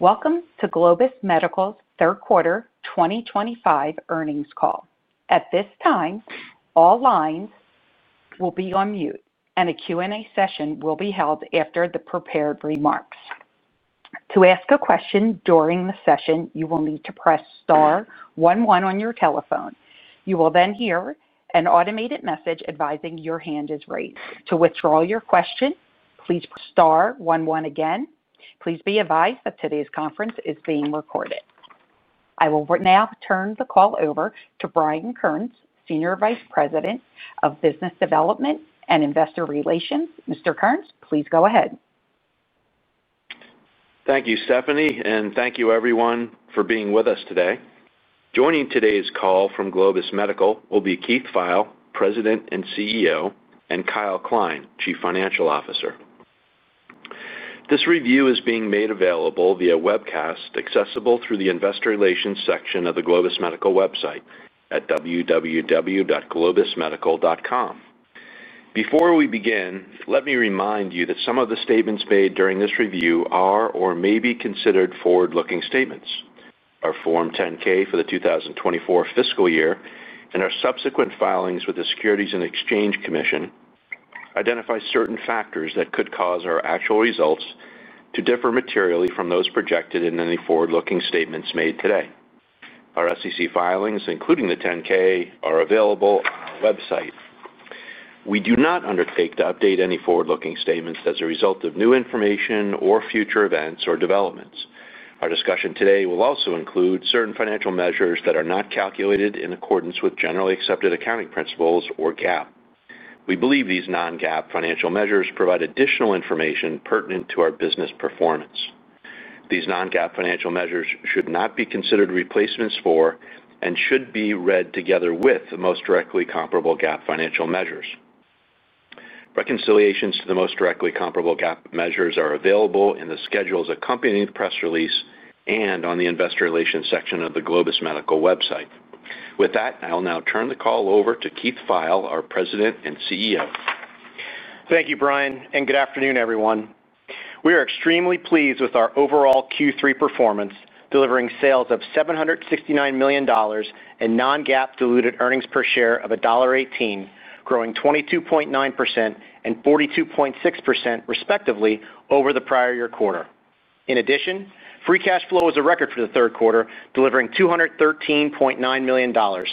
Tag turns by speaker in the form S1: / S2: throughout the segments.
S1: Welcome to Globus Medical's third quarter 2025 earnings call. At this time, all lines will be on mute, and a Q&A session will be held after the prepared remarks. To ask a question during the session, you will need to press star one one on your telephone. You will then hear an automated message advising your hand is raised. To withdraw your question, please press star one one again. Please be advised that today's conference is being recorded. I will now turn the call over to Brian Kearns, Senior Vice President of Business Development and Investor Relations. Mr. Kearns, please go ahead.
S2: Thank you, Stephanie, and thank you, everyone, for being with us today. Joining today's call from Globus Medical will be Keith Pfeil, President and CEO, and Kyle Kline, Chief Financial Officer. This review is being made available via webcast, accessible through the Investor Relations section of the Globus Medical website at www.globusmedical.com. Before we begin, let me remind you that some of the statements made during this review are or may be considered forward-looking statements. Our Form 10-K for the 2024 fiscal year and our subsequent filings with the Securities and Exchange Commission identify certain factors that could cause our actual results to differ materially from those projected in any forward-looking statements made today. Our SEC filings, including the 10-K, are available on our website. We do not undertake to update any forward-looking statements as a result of new information or future events or developments. Our discussion today will also include certain financial measures that are not calculated in accordance with generally accepted accounting principles or GAAP. We believe these non-GAAP financial measures provide additional information pertinent to our business performance. These non-GAAP financial measures should not be considered replacements for and should be read together with the most directly comparable GAAP financial measures. Reconciliations to the most directly comparable GAAP measures are available in the schedules accompanying the press release and on the Investor Relations section of the Globus Medical website. With that, I will now turn the call over to Keith Pfeil, our President and CEO.
S3: Thank you, Brian, and good afternoon, everyone. We are extremely pleased with our overall Q3 performance, delivering sales of $769 million. Non-GAAP diluted earnings per share of $1.18, growing 22.9% and 42.6%, respectively, over the prior year quarter. In addition, free cash flow was a record for the third quarter, delivering $213.9 million.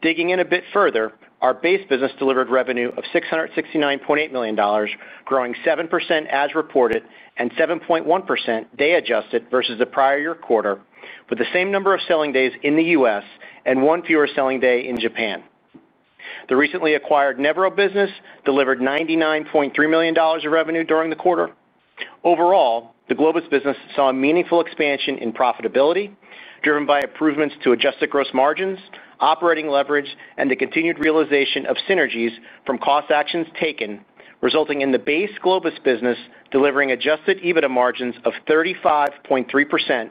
S3: Digging in a bit further, our base business delivered revenue of $669.8 million, growing 7% as reported and 7.1% day-adjusted versus the prior year quarter, with the same number of selling days in the U.S. and one fewer selling day in Japan. The recently acquired Nevro business delivered $99.3 million in revenue during the quarter. Overall, the Globus business saw a meaningful expansion in profitability, driven by improvements to adjusted gross margins, operating leverage, and the continued realization of synergies from cost actions taken, resulting in the base Globus business delivering adjusted EBITDA margins of 35.3%,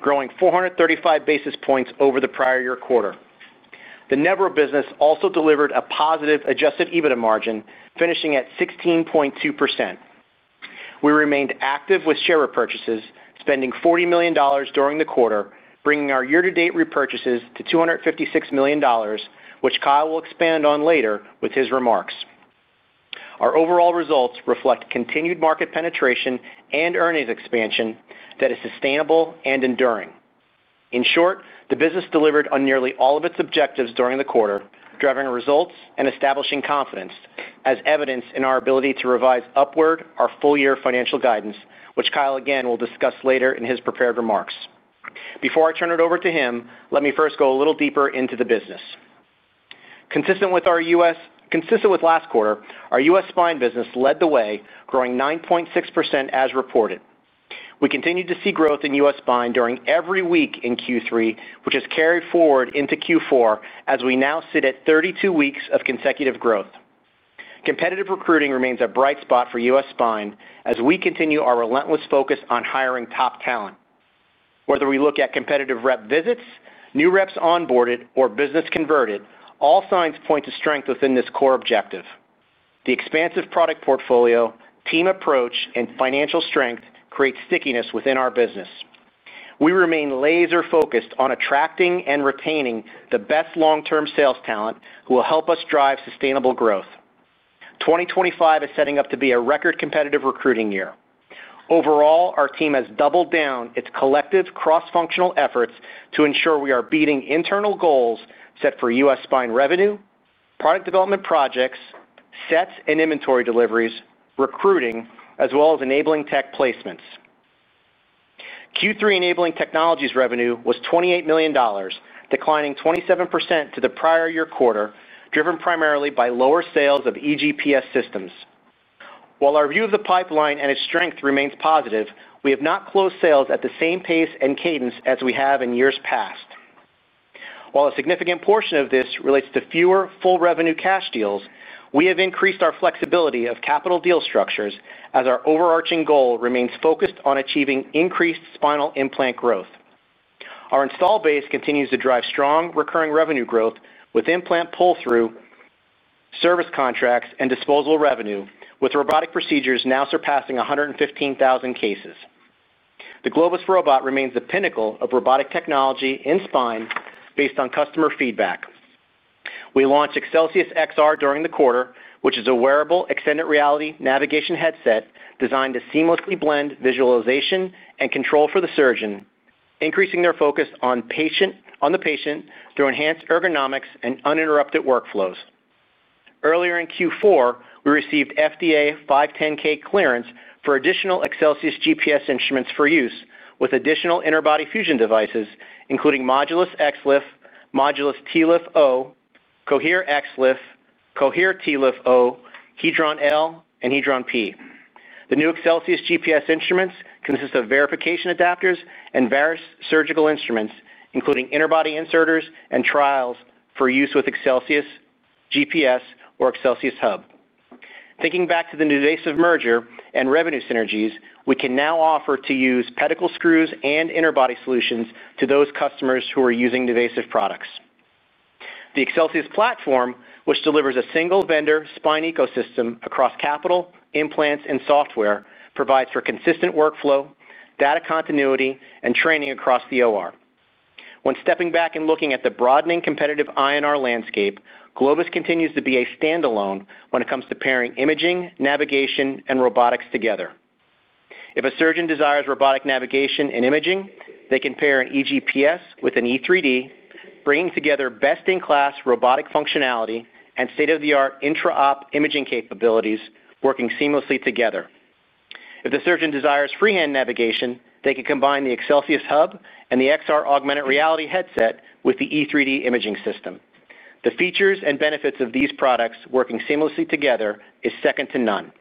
S3: growing 435 basis points over the prior year quarter. The Nevro business also delivered a positive adjusted EBITDA margin, finishing at 16.2%. We remained active with share repurchases, spending $40 million during the quarter, bringing our year-to-date repurchases to $256 million, which Kyle will expand on later with his remarks. Our overall results reflect continued market penetration and earnings expansion that is sustainable and enduring. In short, the business delivered on nearly all of its objectives during the quarter, driving results and establishing confidence, as evidenced in our ability to revise upward our full-year financial guidance, which Kyle, again, will discuss later in his prepared remarks. Before I turn it over to him, let me first go a little deeper into the business. Consistent with last quarter, our U.S. spine business led the way, growing 9.6% as reported. We continue to see growth in U.S. spine during every week in Q3, which has carried forward into Q4, as we now sit at 32 weeks of consecutive growth. Competitive recruiting remains a bright spot for U.S. spine as we continue our relentless focus on hiring top talent. Whether we look at competitive rep visits, new reps onboarded, or business converted, all signs point to strength within this core objective. The expansive product portfolio, team approach, and financial strength create stickiness within our business. We remain laser-focused on attracting and retaining the best long-term sales talent who will help us drive sustainable growth. 2025 is setting up to be a record competitive recruiting year. Overall, our team has doubled down its collective cross-functional efforts to ensure we are beating internal goals set for U.S. spine revenue, product development projects, set and inventory deliveries, recruiting, as well as enabling tech placements. Q3 enabling technologies revenue was $28 million, declining 27% to the prior year quarter, driven primarily by lower sales of eGPS systems. While our view of the pipeline and its strength remains positive, we have not closed sales at the same pace and cadence as we have in years past. While a significant portion of this relates to fewer full revenue cash deals, we have increased our flexibility of capital deal structures as our overarching goal remains focused on achieving increased spinal implant growth. Our install base continues to drive strong recurring revenue growth with implant pull-through, service contracts, and disposal revenue, with robotic procedures now surpassing 115,000 cases. The Globus robot remains the pinnacle of robotic technology in spine. Based on customer feedback, we launched Excelsius XR during the quarter, which is a wearable extended reality navigation headset designed to seamlessly blend visualization and control for the surgeon, increasing their focus on the patient through enhanced ergonomics and uninterrupted workflows. Earlier in Q4, we received FDA 510(k) clearance for additional Excelsius GPS instruments for use with additional interbody fusion devices, including Modulus XLIF, Modulus TLIF-O, Cohere XLIF, Cohere TLIF-O, Hedron-L, and Hedron-P. The new Excelsius GPS instruments consist of verification adapters and various surgical instruments, including interbody inserters and trials for use with Excelsius GPS or Excelsius Hub. Thinking back to the divisive merger and revenue synergies, we can now offer to use pedicle screws and interbody solutions to those customers who are using divisive products. The Excelsius platform, which delivers a single vendor spine ecosystem across capital, implants, and software, provides for consistent workflow, data continuity, and training across the OR. When stepping back and looking at the broadening competitive INR landscape, Globus continues to be a standalone when it comes to pairing imaging, navigation, and robotics together. If a surgeon desires robotic navigation and imaging, they can pair an eGPS with an E3D, bringing together best-in-class robotic functionality and state-of-the-art intra-op imaging capabilities working seamlessly together. If the surgeon desires freehand navigation, they can combine the Excelsius Hub and the XR augmented reality headset with the E3D imaging system. The features and benefits of these products working seamlessly together are second to none.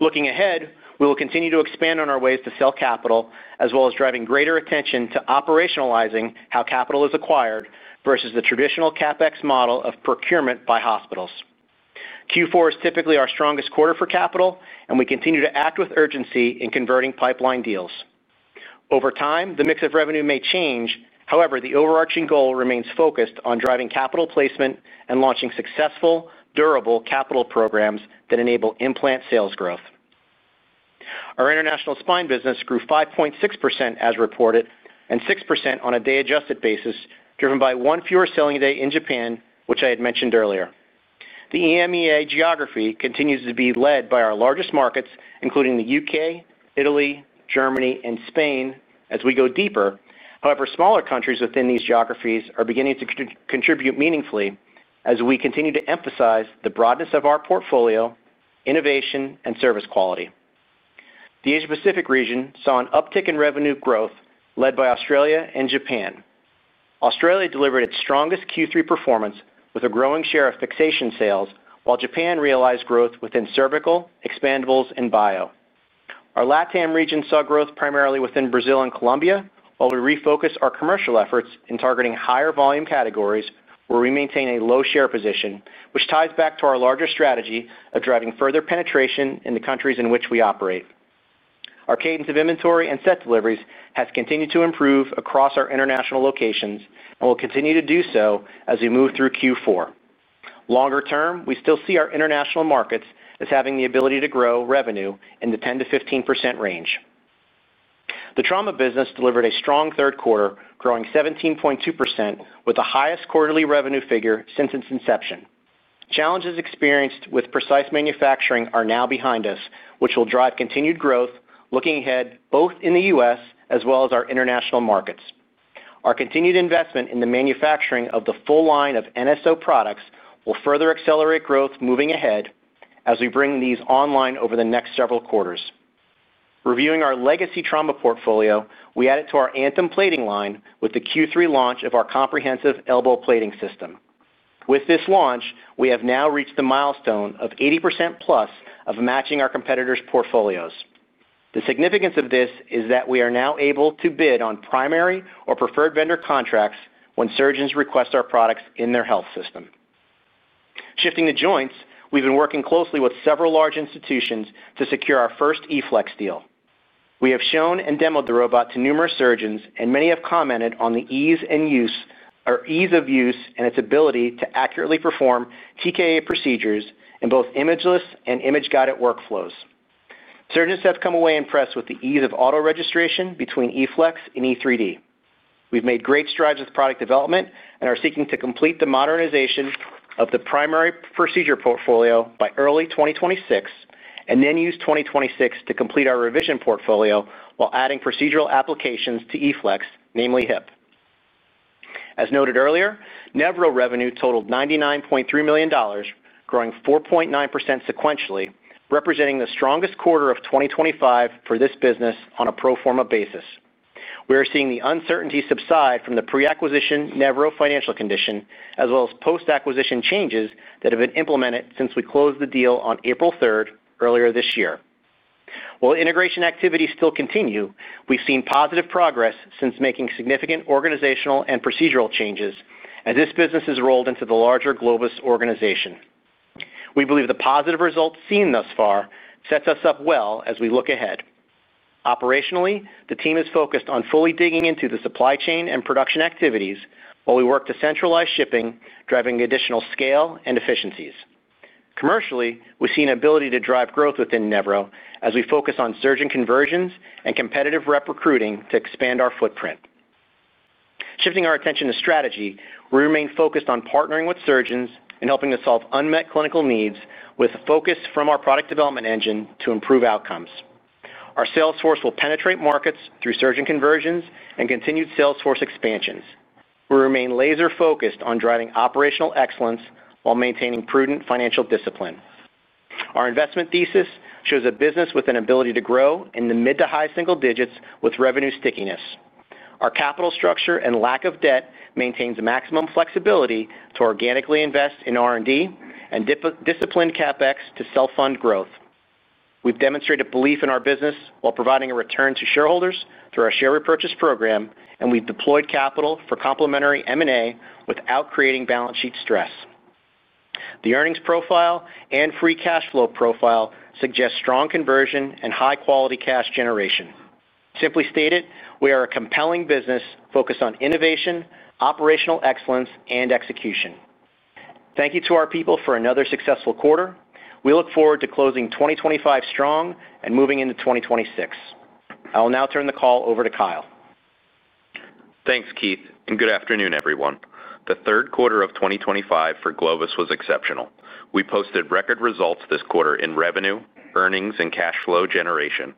S3: Looking ahead, we will continue to expand on our ways to sell capital, as well as driving greater attention to operationalizing how capital is acquired versus the traditional CapEx model of procurement by hospitals. Q4 is typically our strongest quarter for capital, and we continue to act with urgency in converting pipeline deals. Over time, the mix of revenue may change. However, the overarching goal remains focused on driving capital placement and launching successful, durable capital programs that enable implant sales growth. Our international spine business grew 5.6% as reported and 6% on a day-adjusted basis, driven by one fewer selling day in Japan, which I had mentioned earlier. The EMEA geography continues to be led by our largest markets, including the U.K., Italy, Germany, and Spain, as we go deeper. However, smaller countries within these geographies are beginning to contribute meaningfully as we continue to emphasize the broadness of our portfolio, innovation, and service quality. The Asia-Pacific region saw an uptick in revenue growth led by Australia and Japan. Australia delivered its strongest Q3 performance with a growing share of fixation sales, while Japan realized growth within cervical, expandables, and bio. Our LATAM region saw growth primarily within Brazil and Colombia, while we refocus our commercial efforts in targeting higher volume categories where we maintain a low-share position, which ties back to our larger strategy of driving further penetration in the countries in which we operate. Our cadence of inventory and set deliveries has continued to improve across our international locations and will continue to do so as we move through Q4. Longer term, we still see our international markets as having the ability to grow revenue in the 10%-15% range. The trauma business delivered a strong third quarter, growing 17.2%, with the highest quarterly revenue figure since its inception. Challenges experienced with precise manufacturing are now behind us, which will drive continued growth looking ahead both in the U.S. as well as our international markets. Our continued investment in the manufacturing of the full line of NSO products will further accelerate growth moving ahead as we bring these online over the next several quarters. Reviewing our legacy trauma portfolio, we add it to our Anthem plating line with the Q3 launch of our comprehensive elbow plating system. With this launch, we have now reached the milestone of 80%+ of matching our competitors' portfolios. The significance of this is that we are now able to bid on primary or preferred vendor contracts when surgeons request our products in their health system. Shifting to joints, we've been working closely with several large institutions to secure our first EFLEX deal. We have shown and demoed the robot to numerous surgeons, and many have commented on the ease of use and its ability to accurately perform TKA procedures in both imageless and image-guided workflows. Surgeons have come away impressed with the ease of auto-registration between EFLEX and E3D. We've made great strides with product development and are seeking to complete the modernization of the primary procedure portfolio by early 2026 and then use 2026 to complete our revision portfolio while adding procedural applications to EFLEX, namely HIP. As noted earlier, Nevro revenue totaled $99.3 million, growing 4.9% sequentially, representing the strongest quarter of 2025 for this business on a pro forma basis. We are seeing the uncertainty subside from the pre-acquisition Nevro financial condition, as well as post-acquisition changes that have been implemented since we closed the deal on April 3rd earlier this year. While integration activities still continue, we've seen positive progress since making significant organizational and procedural changes as this business is rolled into the larger Globus organization. We believe the positive results seen thus far set us up well as we look ahead. Operationally, the team is focused on fully digging into the supply chain and production activities while we work to centralize shipping, driving additional scale and efficiencies. Commercially, we've seen the ability to drive growth within Nevro as we focus on surgeon conversions and competitive rep recruiting to expand our footprint. Shifting our attention to strategy, we remain focused on partnering with surgeons and helping to solve unmet clinical needs with a focus from our product development engine to improve outcomes. Our sales force will penetrate markets through surgeon conversions and continued sales force expansions. We remain laser-focused on driving operational excellence while maintaining prudent financial discipline. Our investment thesis shows a business with an ability to grow in the mid to high single digits with revenue stickiness. Our capital structure and lack of debt maintains maximum flexibility to organically invest in R&D and disciplined CapEx to self-fund growth. We've demonstrated belief in our business while providing a return to shareholders through our share repurchase program, and we've deployed capital for complementary M&A without creating balance sheet stress. The earnings profile and free cash flow profile suggest strong conversion and high-quality cash generation. Simply stated, we are a compelling business focused on innovation, operational excellence, and execution. Thank you to our people for another successful quarter. We look forward to closing 2025 strong and moving into 2026. I will now turn the call over to Kyle.
S4: Thanks, Keith, and good afternoon, everyone. The third quarter of 2025 for Globus was exceptional. We posted record results this quarter in revenue, earnings, and cash flow generation.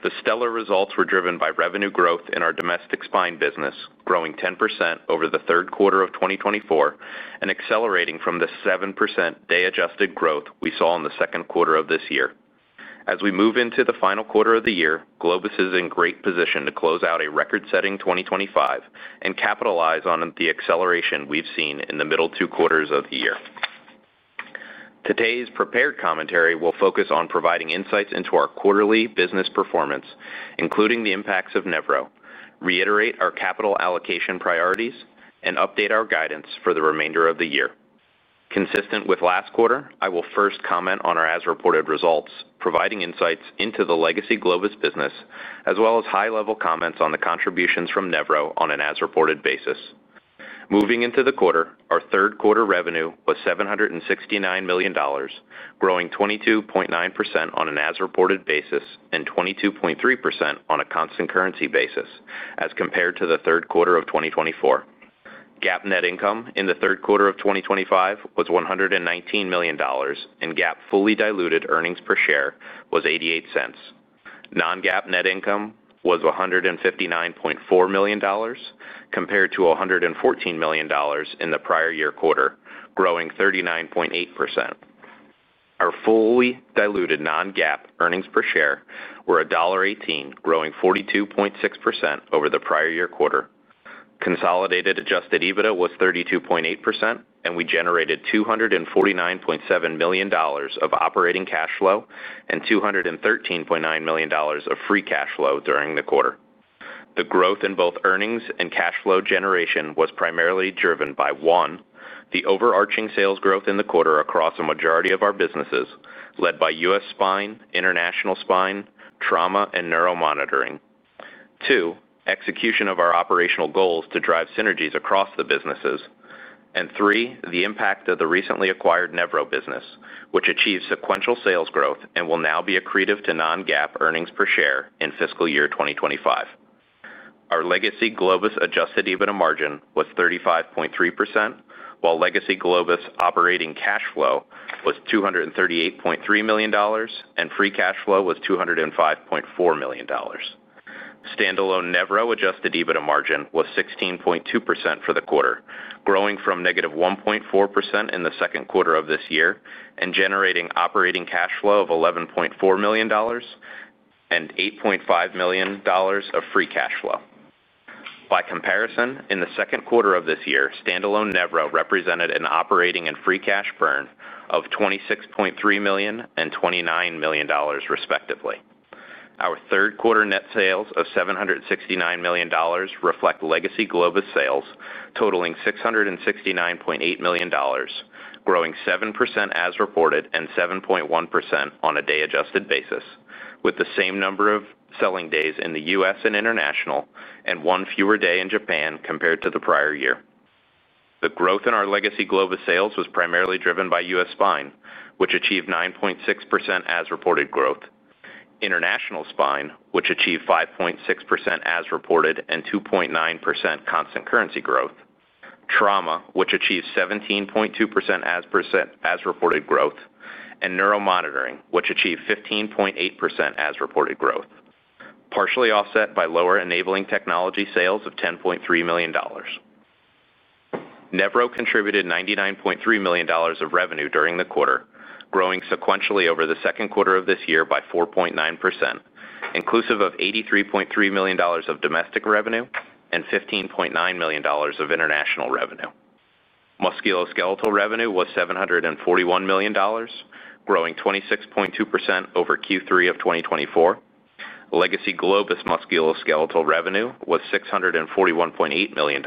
S4: The stellar results were driven by revenue growth in our domestic spine business, growing 10% over the third quarter of 2024 and accelerating from the 7% day-adjusted growth we saw in the second quarter of this year. As we move into the final quarter of the year, Globus is in great position to close out a record-setting 2025 and capitalize on the acceleration we've seen in the middle two quarters of the year. Today's prepared commentary will focus on providing insights into our quarterly business performance, including the impacts of Nevro, reiterate our capital allocation priorities, and update our guidance for the remainder of the year. Consistent with last quarter, I will first comment on our as-reported results, providing insights into the legacy Globus business, as well as high-level comments on the contributions from Nevro on an as-reported basis. Moving into the quarter, our third quarter revenue was $769 million, growing 22.9% on an as-reported basis and 22.3% on a constant currency basis as compared to the third quarter of 2024. GAAP net income in the third quarter of 2025 was $119 million, and GAAP fully diluted earnings per share was $0.88. Non-GAAP net income was $159.4 million, compared to $114 million in the prior year quarter, growing 39.8%. Our fully diluted non-GAAP earnings per share were $1.18, growing 42.6% over the prior year quarter. Consolidated adjusted EBITDA was 32.8%, and we generated $249.7 million of operating cash flow and $213.9 million of free cash flow during the quarter. The growth in both earnings and cash flow generation was primarily driven by: one, the overarching sales growth in the quarter across a majority of our businesses led by U.S. spine, international spine, trauma, and neuromonitoring; two, execution of our operational goals to drive synergies across the businesses; and three, the impact of the recently acquired Nevro business, which achieved sequential sales growth and will now be accretive to non-GAAP earnings per share in fiscal year 2025. Our legacy Globus adjusted EBITDA margin was 35.3%, while legacy Globus operating cash flow was $238.3 million and free cash flow was $205.4 million. Standalone Nevro adjusted EBITDA margin was 16.2% for the quarter, growing from -1.4% in the second quarter of this year and generating operating cash flow of $11.4 million. $8.5 million of free cash flow. By comparison, in the second quarter of this year, standalone Nevro represented an operating and free cash burn of $26.3 million and $29 million, respectively. Our third quarter net sales of $769 million reflect legacy Globus sales totaling $669.8 million, growing 7% as reported and 7.1% on a day-adjusted basis, with the same number of selling days in the U.S. and international and one fewer day in Japan compared to the prior year. The growth in our legacy Globus sales was primarily driven by U.S. spine, which achieved 9.6% as reported growth. International spine, which achieved 5.6% as reported and 2.9% constant currency growth. Trauma, which achieved 17.2% as reported growth, and neuromonitoring, which achieved 15.8% as reported growth, partially offset by lower enabling technology sales of $10.3 million. Nevro contributed $99.3 million of revenue during the quarter, growing sequentially over the second quarter of this year by 4.9%, inclusive of $83.3 million of domestic revenue and $15.9 million of international revenue. Musculoskeletal revenue was $741 million, growing 26.2% over Q3 of 2024. Legacy Globus musculoskeletal revenue was $641.8 million,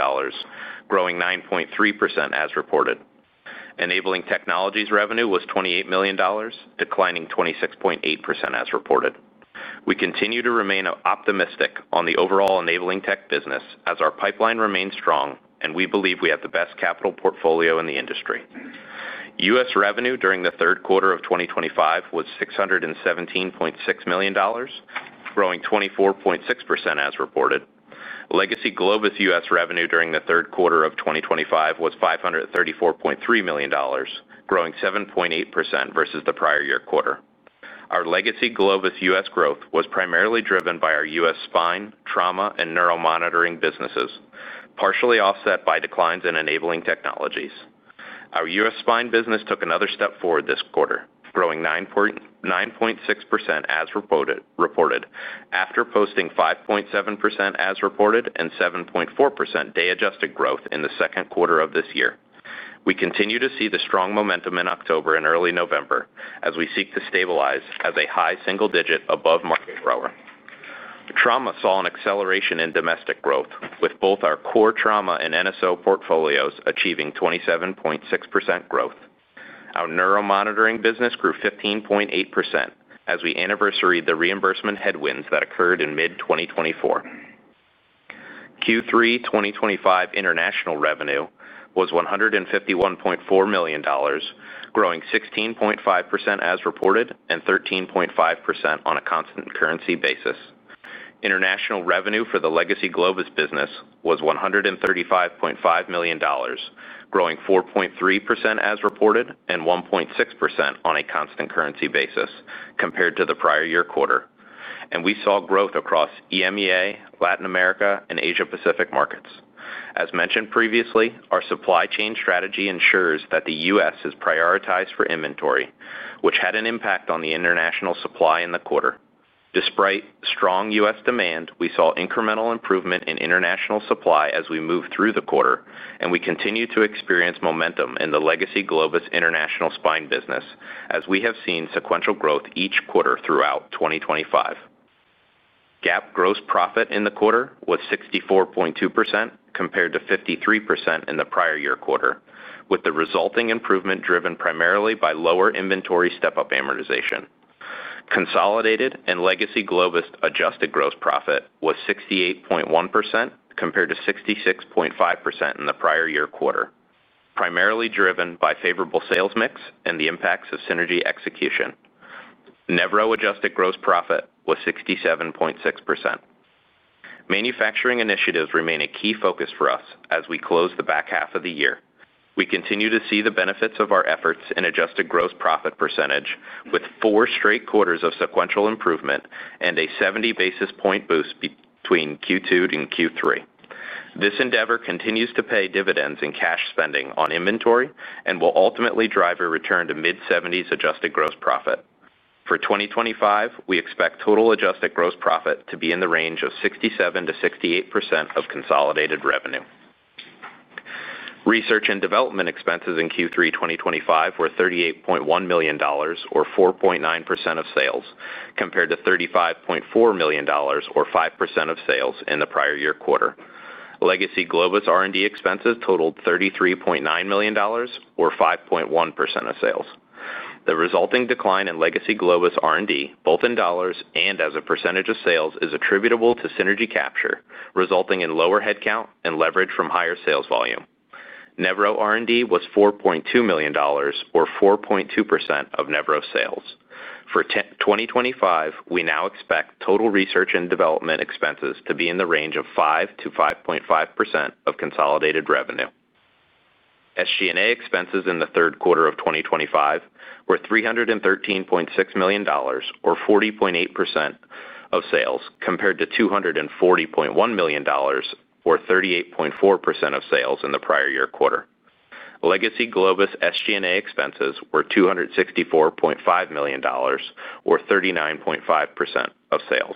S4: growing 9.3% as reported. Enabling technologies revenue was $28 million, declining 26.8% as reported. We continue to remain optimistic on the overall enabling tech business as our pipeline remains strong, and we believe we have the best capital portfolio in the industry. U.S. revenue during the third quarter of 2025 was $617.6 million, growing 24.6% as reported. Legacy Globus U.S. revenue during the third quarter of 2025 was $534.3 million, growing 7.8% versus the prior year quarter. Our legacy Globus U.S. growth was primarily driven by our U.S. spine, trauma, and neuromonitoring businesses, partially offset by declines in enabling technologies. Our U.S. spine business took another step forward this quarter, growing 9.6% as reported after posting 5.7% as reported and 7.4% day-adjusted growth in the second quarter of this year. We continue to see the strong momentum in October and early November as we seek to stabilize as a high single digit above market grower. Trauma saw an acceleration in domestic growth, with both our core trauma and NSO portfolios achieving 27.6% growth. Our neuromonitoring business grew 15.8% as we anniversary the reimbursement headwinds that occurred in mid-2024. Q3 2025 international revenue was $151.4 million, growing 16.5% as reported and 13.5% on a constant currency basis. International revenue for the legacy Globus business was $135.5 million, growing 4.3% as reported and 1.6% on a constant currency basis compared to the prior year quarter, and we saw growth across EMEA, LATAM, and Asia-Pacific markets. As mentioned previously, our supply chain strategy ensures that the U.S. is prioritized for inventory, which had an impact on the international supply in the quarter. Despite strong U.S. demand, we saw incremental improvement in international supply as we moved through the quarter, and we continue to experience momentum in the legacy Globus international spine business, as we have seen sequential growth each quarter throughout 2025. GAAP gross profit in the quarter was 64.2% compared to 53% in the prior year quarter, with the resulting improvement driven primarily by lower inventory step-up amortization. Consolidated and legacy Globus adjusted gross profit was 68.1% compared to 66.5% in the prior year quarter, primarily driven by favorable sales mix and the impacts of synergy execution. Nevro adjusted gross profit was 67.6%. Manufacturing initiatives remain a key focus for us as we close the back half of the year. We continue to see the benefits of our efforts in adjusted gross profit percentage with four straight quarters of sequential improvement and a 70 basis point boost between Q2 and Q3. This endeavor continues to pay dividends in cash spending on inventory and will ultimately drive a return to mid-70s adjusted gross profit. For 2025, we expect total adjusted gross profit to be in the range of 67%-68% of consolidated revenue. Research and development expenses in Q3 2025 were $38.1 million, or 4.9% of sales, compared to $35.4 million, or 5% of sales, in the prior year quarter. Legacy Globus R&D expenses totaled $33.9 million, or 5.1% of sales. The resulting decline in legacy Globus R&D, both in dollars and as a percentage of sales, is attributable to synergy capture, resulting in lower headcount and leverage from higher sales volume. Nevro R&D was $4.2 million, or 4.2% of Nevro sales. For 2025, we now expect total research and development expenses to be in the range of 5%-5.5% of consolidated revenue. SG&A expenses in the third quarter of 2025 were $313.6 million, or 40.8% of sales, compared to $240.1 million, or 38.4% of sales, in the prior year quarter. Legacy Globus SG&A expenses were $264.5 million, or 39.5% of sales.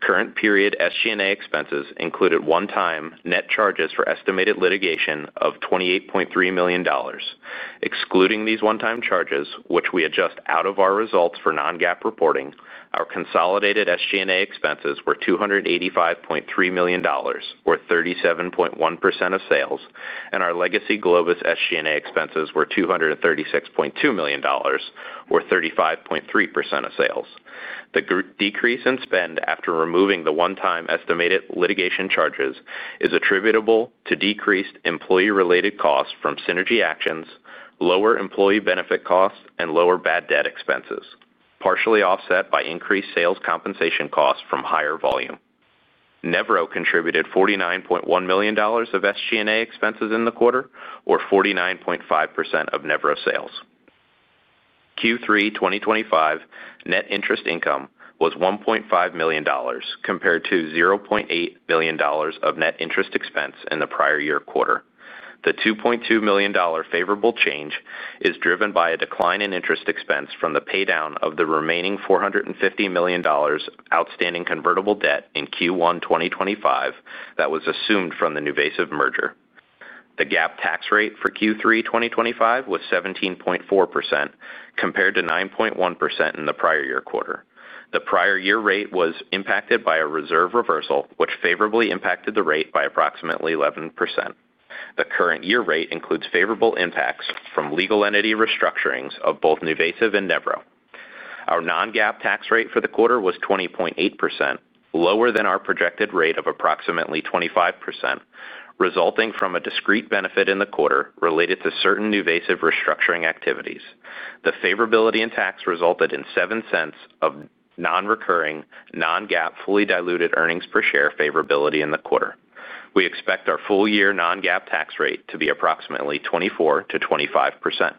S4: Current period SG&A expenses included one-time net charges for estimated litigation of $28.3 million. Excluding these one-time charges, which we adjust out of our results for non-GAAP reporting, our consolidated SG&A expenses were $285.3 million, or 37.1% of sales, and our legacy Globus SG&A expenses were $236.2 million, or 35.3% of sales. The decrease in spend after removing the one-time estimated litigation charges is attributable to decreased employee-related costs from synergy actions, lower employee benefit costs, and lower bad debt expenses, partially offset by increased sales compensation costs from higher volume. Nevro contributed $49.1 million of SG&A expenses in the quarter, or 49.5% of Nevro sales. Q3 2025 net interest income was $1.5 million compared to $0.8 million of net interest expense in the prior year quarter. The $2.2 million favorable change is driven by a decline in interest expense from the paydown of the remaining $450 million outstanding convertible debt in Q1 2025 that was assumed from the NuVasive merger. The GAAP tax rate for Q3 2025 was 17.4% compared to 9.1% in the prior year quarter. The prior year rate was impacted by a reserve reversal, which favorably impacted the rate by approximately 11%. The current year rate includes favorable impacts from legal entity restructurings of both NuVasive and Nevro. Our non-GAAP tax rate for the quarter was 20.8%, lower than our projected rate of approximately 25%, resulting from a discrete benefit in the quarter related to certain NuVasive restructuring activities. The favorability in tax resulted in 7 cents of non-recurring non-GAAP fully diluted earnings per share favorability in the quarter. We expect our full year non-GAAP tax rate to be approximately 24%-25%.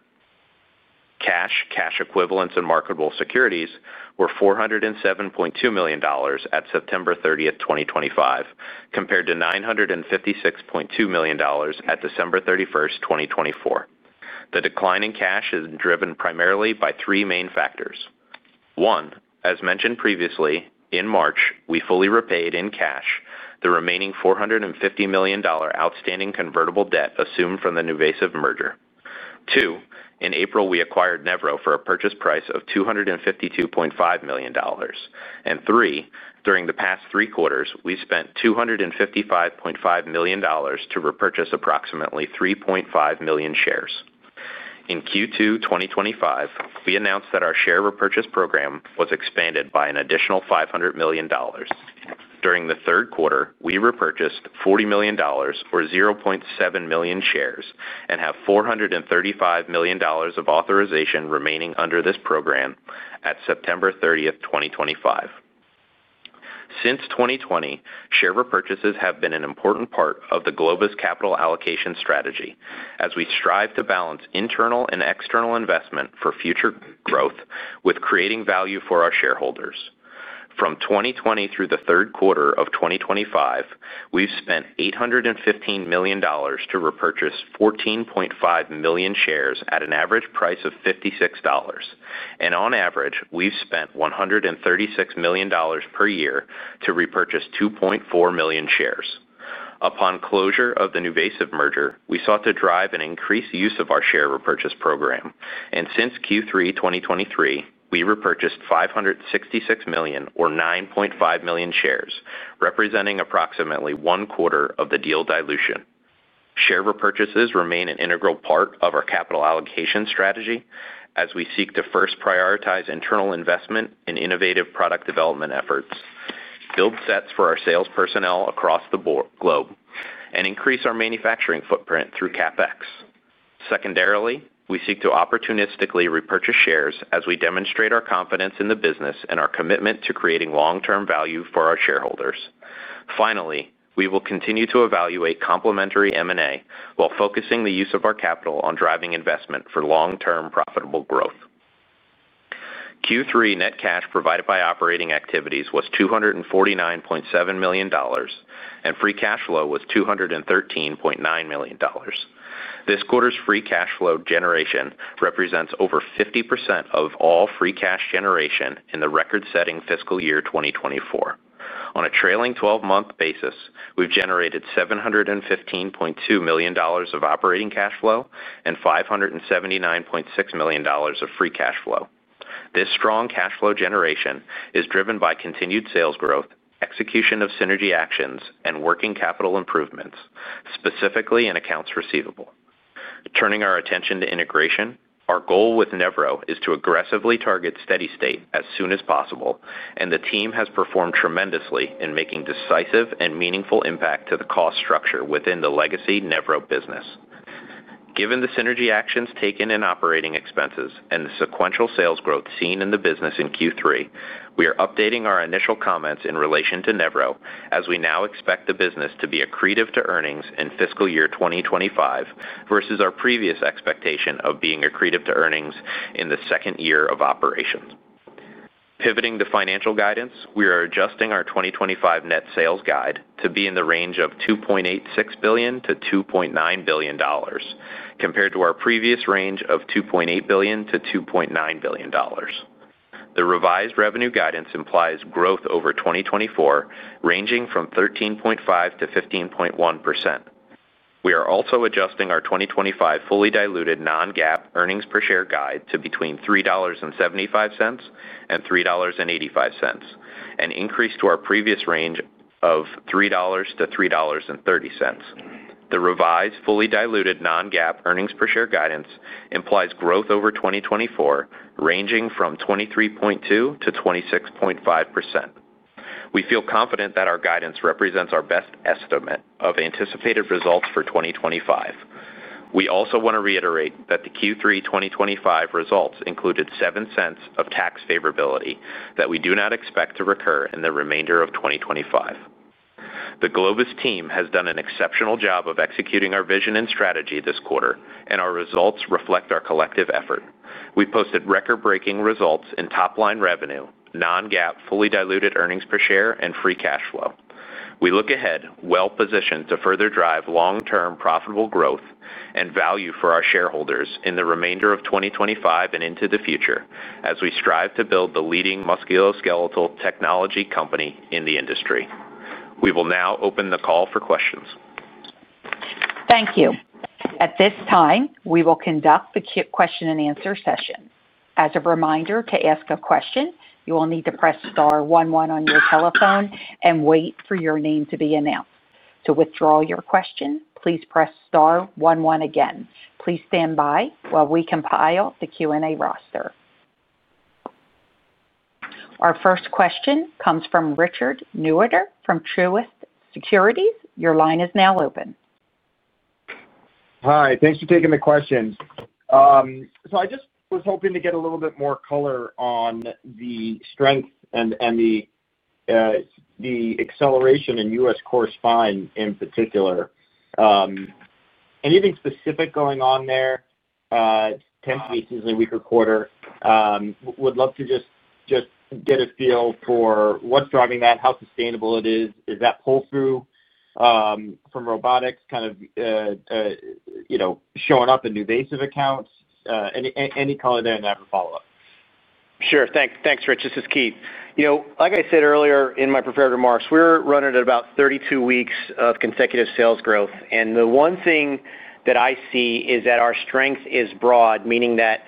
S4: Cash, cash equivalents, and marketable securities were $407.2 million at September 30, 2025, compared to $956.2 million at December 31st, 2024. The decline in cash is driven primarily by three main factors. One, as mentioned previously, in March, we fully repaid in cash the remaining $450 million outstanding convertible debt assumed from the NuVasive merger. Two, in April, we acquired Nevro for a purchase price of $252.5 million. Three, during the past three quarters, we spent $255.5 million to repurchase approximately 3.5 million shares. In Q2 2025, we announced that our share repurchase program was expanded by an additional $500 million. During the third quarter, we repurchased $40 million, or 0.7 million, shares and have $435 million of authorization remaining under this program at September 30th, 2025. Since 2020, share repurchases have been an important part of the Globus capital allocation strategy as we strive to balance internal and external investment for future growth with creating value for our shareholders. From 2020 through the third quarter of 2025, we've spent $815 million to repurchase 14.5 million shares at an average price of $56. And on average, we've spent $136 million per year to repurchase 2.4 million shares. Upon closure of the NuVasive merger, we sought to drive an increased use of our share repurchase program, and since Q3 2023, we repurchased $566 million, or 9.5 million shares, representing approximately one quarter of the deal dilution. Share repurchases remain an integral part of our capital allocation strategy as we seek to first prioritize internal investment in innovative product development efforts, build sets for our sales personnel across the globe, and increase our manufacturing footprint through CapEx. Secondarily, we seek to opportunistically repurchase shares as we demonstrate our confidence in the business and our commitment to creating long-term value for our shareholders. Finally, we will continue to evaluate complementary M&A while focusing the use of our capital on driving investment for long-term profitable growth. Q3 net cash provided by operating activities was $249.7 million, and free cash flow was $213.9 million. This quarter's free cash flow generation represents over 50% of all free cash generation in the record-setting fiscal year 2024. On a trailing 12-month basis, we've generated $715.2 million of operating cash flow and $579.6 million of free cash flow. This strong cash flow generation is driven by continued sales growth, execution of synergy actions, and working capital improvements, specifically in accounts receivable. Turning our attention to integration, our goal with Nevro is to aggressively target steady state as soon as possible, and the team has performed tremendously in making a decisive and meaningful impact to the cost structure within the legacy Nevro business. Given the synergy actions taken in operating expenses and the sequential sales growth seen in the business in Q3, we are updating our initial comments in relation to Nevro as we now expect the business to be accretive to earnings in fiscal year 2025 versus our previous expectation of being accretive to earnings in the second year of operations. Pivoting the financial guidance, we are adjusting our 2025 net sales guide to be in the range of $2.86 billion-$2.9 billion, compared to our previous range of $2.8 billion-$2.9 billion. The revised revenue guidance implies growth over 2024 ranging from 13.5%-15.1%. We are also adjusting our 2025 fully diluted non-GAAP earnings per share guide to between $3.75 and $3.85, an increase to our previous range of $3.00-$3.30. The revised fully diluted non-GAAP earnings per share guidance implies growth over 2024 ranging from 23.2%-26.5%. We feel confident that our guidance represents our best estimate of anticipated results for 2025. We also want to reiterate that the Q3 2025 results included 7 cents of tax favorability that we do not expect to recur in the remainder of 2025. The Globus team has done an exceptional job of executing our vision and strategy this quarter, and our results reflect our collective effort. We've posted record-breaking results in top-line revenue, non-GAAP fully diluted earnings per share, and free cash flow. We look ahead well-positioned to further drive long-term profitable growth and value for our shareholders in the remainder of 2025 and into the future as we strive to build the leading musculoskeletal technology company in the industry. We will now open the call for questions.
S1: Thank you. At this time, we will conduct the question-and-answer session. As a reminder, to ask a question, you will need to press star one one on your telephone and wait for your name to be announced. To withdraw your question, please press star one one again. Please stand by while we compile the Q&A roster. Our first question comes from Richard Neueder from Truist Securities. Your line is now open. Hi. Thanks for taking the question. I just was hoping to get a little bit more color on the strength and the acceleration in U.S. Core Spine in particular. Anything specific going on there? Ten to fifteen-day week or quarter. Would love to just get a feel for what's driving that, how sustainable it is, is that pull-through from robotics kind of showing up in NuVasive accounts? Any color there and I have a follow-up.
S3: Sure. Thanks, Rich. This is Keith. Like I said earlier in my prepared remarks, we're running at about 32 weeks of consecutive sales growth. The one thing that I see is that our strength is broad, meaning that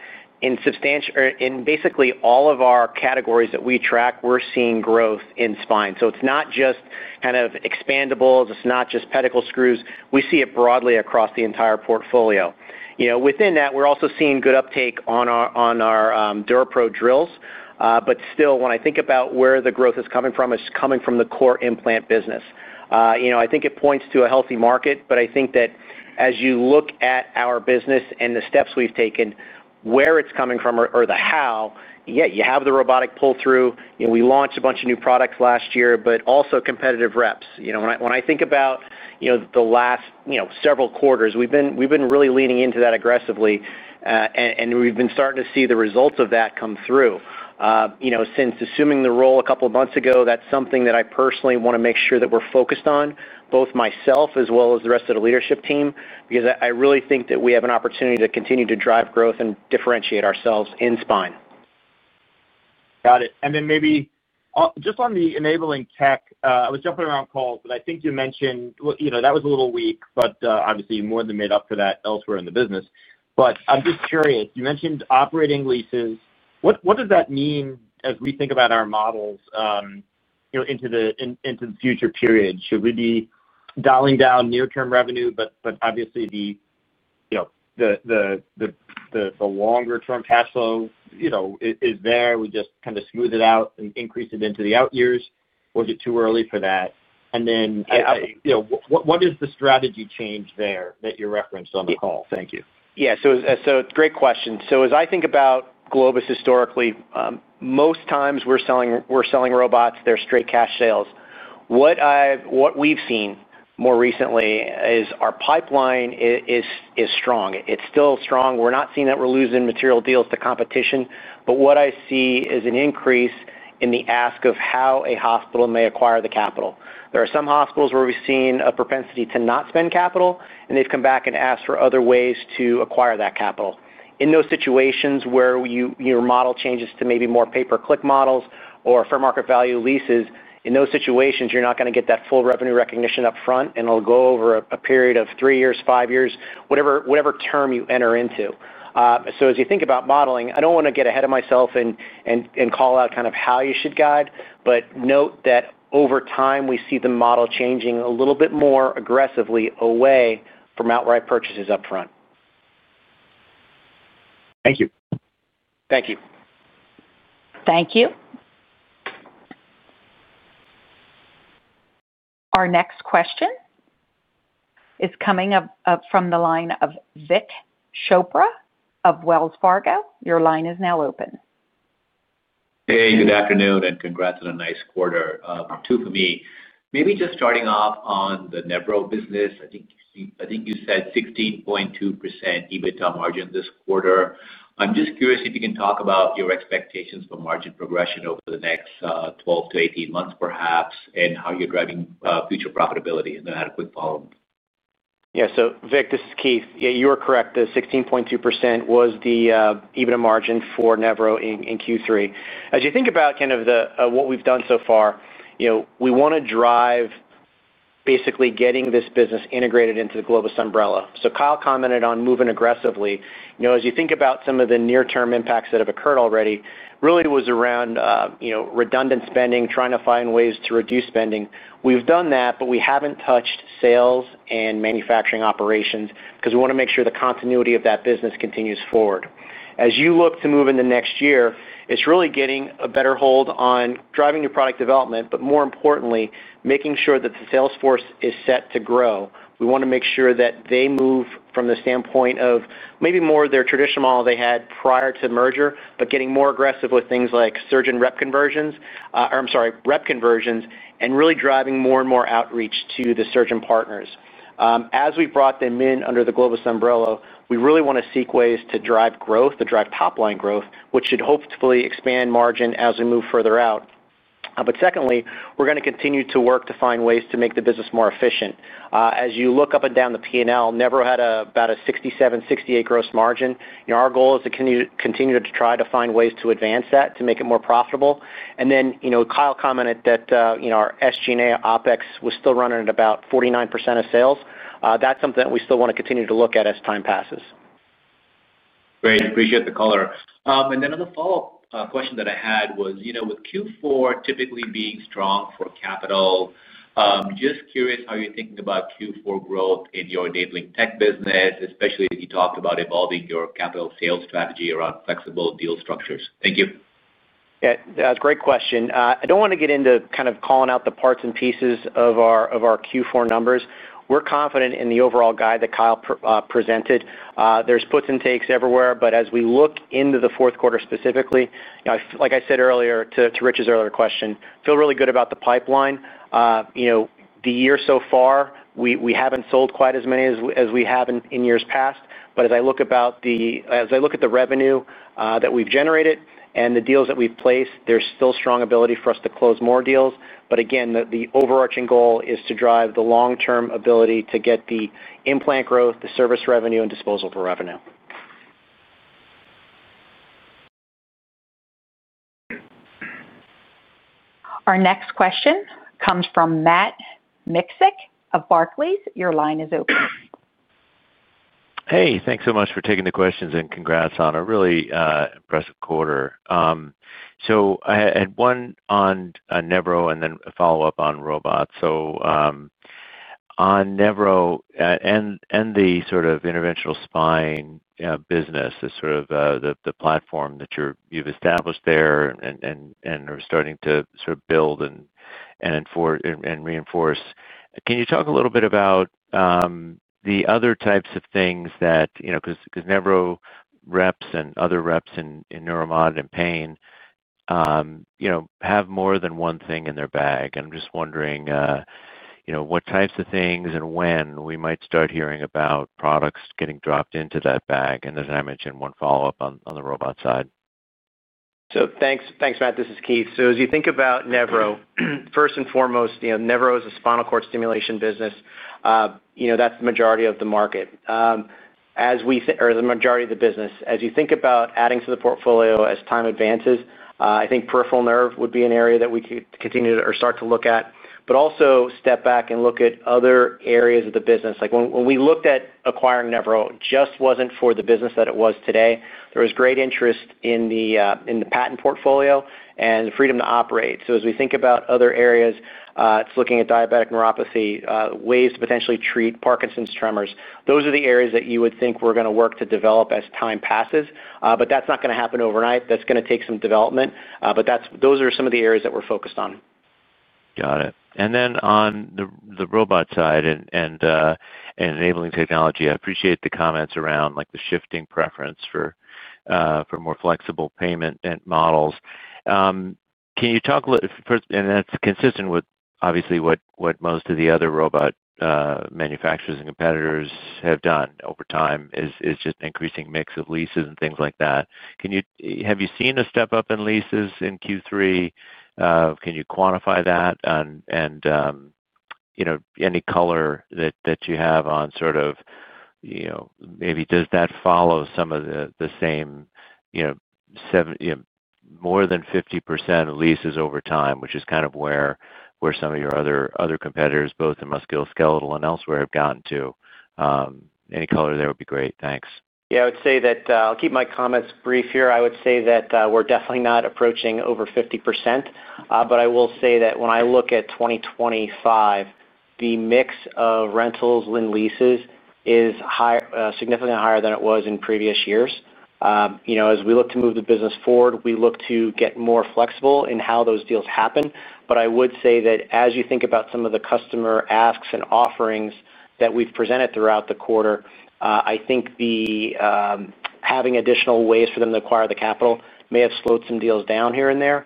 S3: in basically all of our categories that we track, we're seeing growth in spine. It's not just kind of expandables. It's not just pedicle screws. We see it broadly across the entire portfolio. Within that, we're also seeing good uptake on our DuraPro drills. Still, when I think about where the growth is coming from, it's coming from the core implant business. I think it points to a healthy market, but I think that as you look at our business and the steps we've taken, where it's coming from or the how, yeah, you have the robotic pull-through. We launched a bunch of new products last year, but also competitive reps. When I think about the last several quarters, we've been really leaning into that aggressively, and we've been starting to see the results of that come through. Since assuming the role a couple of months ago, that's something that I personally want to make sure that we're focused on, both myself as well as the rest of the leadership team, because I really think that we have an opportunity to continue to drive growth and differentiate ourselves in spine. Got it. Maybe just on the enabling tech, I was jumping around calls, but I think you mentioned that was a little weak, but obviously you more than made up for that elsewhere in the business. I'm just curious, you mentioned operating leases. What does that mean as we think about our models into the future period? Should we be dialing down near-term revenue, but obviously the longer-term cash flow is there? We just kind of smooth it out and increase it into the out years? Is it too early for that? What is the strategy change there that you referenced on the call? Thank you. Yeah. Great question. As I think about Globus historically, most times we're selling robots, they're straight cash sales. What we've seen more recently is our pipeline is strong, it's still strong, we're not seeing that we're losing material deals to competition, but what I see is an increase in the ask of how a hospital may acquire the capital. There are some hospitals where we've seen a propensity to not spend capital, and they've come back and asked for other ways to acquire that capital. In those situations where your model changes to maybe more pay-per-click models or fair market value leases, in those situations, you're not going to get that full revenue recognition upfront, and it'll go over a period of three years, five years, whatever term you enter into. As you think about modeling, I don't want to get ahead of myself and call out kind of how you should guide, but note that over time, we see the model changing a little bit more aggressively away from outright purchases upfront. Thank you. Thank you.
S1: Thank you. Our next question is coming up from the line of Vic Chopra of Wells Fargo. Your line is now open.
S5: Hey, good afternoon, and congrats on a nice quarter. Two for me. Maybe just starting off on the Nevro business, I think you said 16.2% EBITDA margin this quarter. I'm just curious if you can talk about your expectations for margin progression over the next 12-18 months, perhaps, and how you're driving future profitability and then had a quick follow-up.
S3: Yeah. Vik, this is Keith. Yeah, you were correct. The 16.2% was the EBITDA margin for Nevro in Q3. As you think about kind of what we've done so far, we want to drive. Basically getting this business integrated into the Globus umbrella. Kyle commented on moving aggressively. As you think about some of the near-term impacts that have occurred already, really was around. Redundant spending, trying to find ways to reduce spending. We've done that, but we haven't touched sales and manufacturing operations because we want to make sure the continuity of that business continues forward. As you look to move in the next year, it's really getting a better hold on driving new product development, but more importantly, making sure that the sales force is set to grow. We want to make sure that they move from the standpoint of maybe more of their traditional model they had prior to merger, but getting more aggressive with things like surgeon rep conversions or, I'm sorry, rep conversions, and really driving more and more outreach to the surgeon partners. As we've brought them in under the Globus umbrella, we really want to seek ways to drive growth, to drive top-line growth, which should hopefully expand margin as we move further out. Secondly, we're going to continue to work to find ways to make the business more efficient. As you look up and down the P&L, Nevro had about a 67%-68% gross margin. Our goal is to continue to try to find ways to advance that, to make it more profitable. And then Kyle commented that our SG&A OpEx was still running at about 49% of sales. That's something that we still want to continue to look at as time passes.
S5: Great. Appreciate the color. On the follow-up question that I had, with Q4 typically being strong for capital, just curious how you're thinking about Q4 growth in your enabling tech business, especially as you talked about evolving your capital sales strategy around flexible deal structures. Thank you.
S3: Yeah. That's a great question. I don't want to get into kind of calling out the parts and pieces of our Q4 numbers. We're confident in the overall guide that Kyle presented. There's puts and takes everywhere, but as we look into the fourth quarter specifically, like I said earlier to Rich's earlier question, feel really good about the pipeline. The year so far, we haven't sold quite as many as we have in years past, but as I look at the revenue that we've generated and the deals that we've placed, there's still strong ability for us to close more deals. Again, the overarching goal is to drive the long-term ability to get the implant growth, the service revenue, and disposable revenue.
S1: Our next question comes from Matt Miksic of Barclays. Your line is open.
S6: Hey, thanks so much for taking the questions and congrats on a really impressive quarter. I had one on Nevro and then a follow-up on robots. On Nevro and the sort of interventional spine business, this sort of the platform that you've established there and are starting to sort of build and reinforce, can you talk a little bit about the other types of things that because Nevro reps and other reps in Neuromod and Pain have more than one thing in their bag? I'm just wondering what types of things and when we might start hearing about products getting dropped into that bag? I mentioned one follow-up on the robot side.
S3: Thanks, Matt. This is Keith. As you think about Nevro, first and foremost, Nevro is a spinal cord stimulation business. That's the majority of the market, or the majority of the business. As you think about adding to the portfolio as time advances, I think peripheral nerve would be an area that we could continue to or start to look at, but also step back and look at other areas of the business. When we looked at acquiring Nevro, it just wasn't for the business that it was today. There was great interest in the patent portfolio and the freedom to operate. As we think about other areas, it's looking at diabetic neuropathy, ways to potentially treat Parkinson's tremors. Those are the areas that you would think we're going to work to develop as time passes, but that's not going to happen overnight. That's going to take some development, but those are some of the areas that we're focused on.
S6: Got it. On the robot side and enabling technology, I appreciate the comments around the shifting preference for more flexible payment models. Can you talk a little, and that is consistent with what most of the other robot manufacturers and competitors have done over time, is just an increasing mix of leases and things like that. Have you seen a step up in leases in Q3? Can you quantify that? Any color that you have on sort of maybe does that follow some of the same more than 50% leases over time, which is kind of where some of your other competitors, both in musculoskeletal and elsewhere, have gotten to? Any color there would be great. Thanks.
S3: Yeah. I would say that I'll keep my comments brief here. I would say that we're definitely not approaching over 50%, but I will say that when I look at 2025, the mix of rentals and leases is significantly higher than it was in previous years. As we look to move the business forward, we look to get more flexible in how those deals happen. I would say that as you think about some of the customer asks and offerings that we've presented throughout the quarter, I think having additional ways for them to acquire the capital may have slowed some deals down here and there.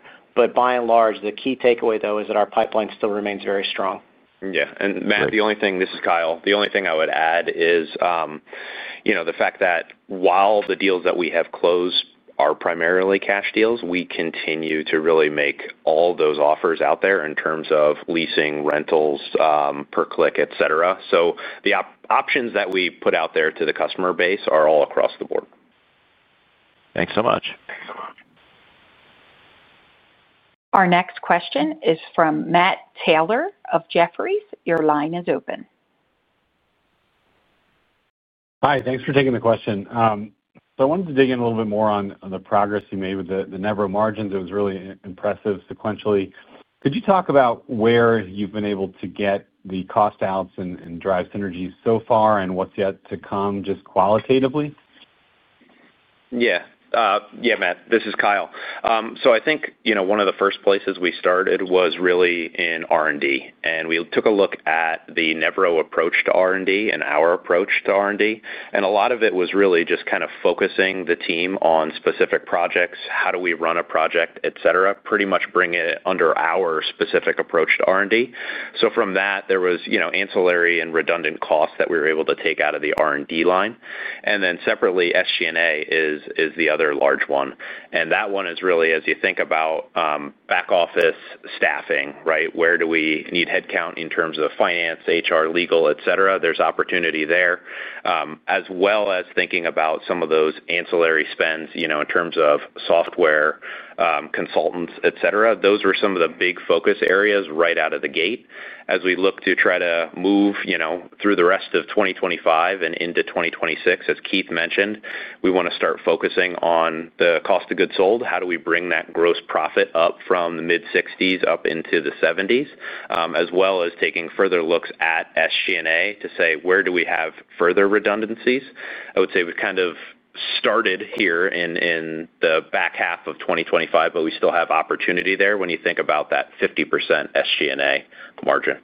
S3: By and large, the key takeaway, though, is that our pipeline still remains very strong.
S4: Yeah. Matt, the only thing, this is Kyle, the only thing I would add is the fact that while the deals that we have closed are primarily cash deals, we continue to really make all those offers out there in terms of leasing, rentals, per-click, etc. The options that we put out there to the customer base are all across the board.
S6: Thanks so much.
S4: Thanks so much.
S1: Our next question is from Matt Taylor of Jefferies. Your line is open.
S7: Hi. Thanks for taking the question. I wanted to dig in a little bit more on the progress you made with the Nevro margins. It was really impressive sequentially. Could you talk about where you've been able to get the cost outs and drive synergies so far and what's yet to come just qualitatively?
S4: Yeah. Yeah, Matt. This is Kyle. I think one of the first places we started was really in R&D. We took a look at the Nevro approach to R&D and our approach to R&D. A lot of it was really just kind of focusing the team on specific projects, how do we run a project, etc., pretty much bring it under our specific approach to R&D. From that, there was ancillary and redundant costs that we were able to take out of the R&D line. Separately, SG&A is the other large one. That one is really, as you think about back-office staffing, right? Where do we need headcount in terms of finance, HR, legal, etc.? There's opportunity there. As well as thinking about some of those ancillary spends in terms of software, consultants, etc., those were some of the big focus areas right out of the gate. As we look to try to move through the rest of 2025 and into 2026, as Keith mentioned, we want to start focusing on the cost of goods sold. How do we bring that gross profit up from the mid-60s up into the 70s? As well as taking further looks at SG&A to say, where do we have further redundancies? I would say we've kind of started here in the back half of 2025, but we still have opportunity there when you think about that 50% SG&A margin.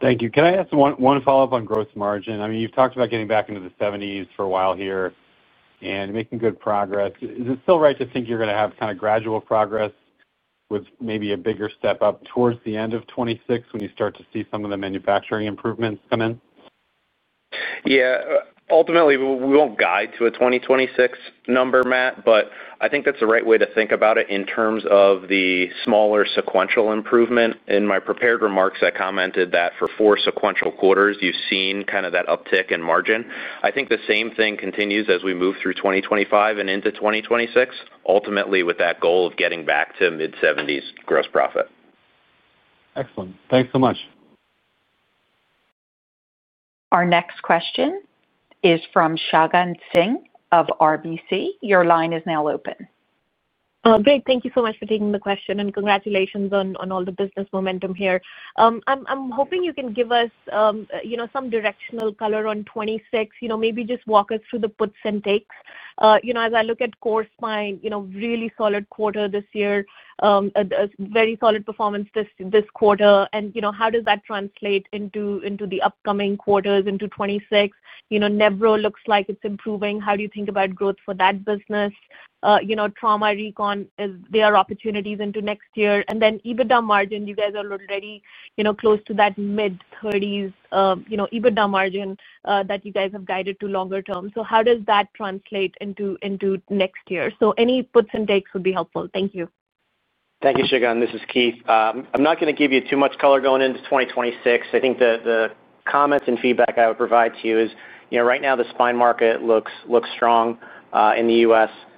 S7: Thank you. Can I ask one follow-up on gross margin? I mean, you've talked about getting back into the 70s for a while here and making good progress. Is it still right to think you're going to have kind of gradual progress with maybe a bigger step up towards the end of 2026 when you start to see some of the manufacturing improvements come in?
S4: Yeah. Ultimately, we won't guide to a 2026 number, Matt, but I think that's the right way to think about it in terms of the smaller sequential improvement. In my prepared remarks, I commented that for four sequential quarters, you've seen kind of that uptick in margin. I think the same thing continues as we move through 2025 and into 2026, ultimately with that goal of getting back to mid-70s gross profit.
S7: Excellent. Thanks so much.
S1: Our next question is from Shagun Singh of RBC. Your line is now open.
S8: Big, thank you so much for taking the question and congratulations on all the business momentum here. I'm hoping you can give us some directional color on 2026, maybe just walk us through the puts and takes. As I look at Core Spine, really solid quarter this year. Very solid performance this quarter. How does that translate into the upcoming quarters, into 2026? Nevro looks like it's improving. How do you think about growth for that business? Trauma Recon, there are opportunities into next year. EBITDA margin, you guys are already close to that mid-30% EBITDA margin that you guys have guided to longer term. How does that translate into next year? Any puts and takes would be helpful. Thank you.
S3: Thank you, Shagun. This is Keith. I'm not going to give you too much color going into 2026. I think the comments and feedback I would provide to you is right now the spine market looks strong in the U.S. Our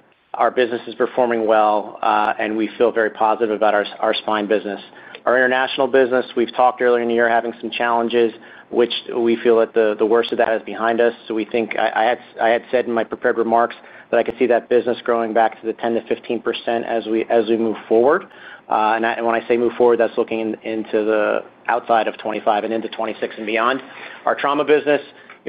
S3: business is performing well, and we feel very positive about our spine business. Our international business, we've talked earlier in the year having some challenges, which we feel that the worst of that is behind us. I had said in my prepared remarks that I could see that business growing back to the 10%-15% as we move forward. When I say move forward, that's looking into the outside of 2025 and into 2026 and beyond. Our trauma business,